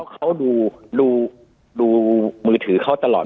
เขาดูมือถือเขาตลอด